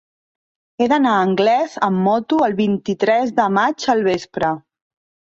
He d'anar a Anglès amb moto el vint-i-tres de maig al vespre.